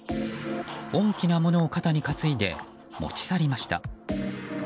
大きなものを肩に担いで持ち去りました。